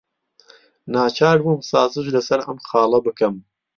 ناچار بووم سازش لەسەر ئەم خاڵە بکەم.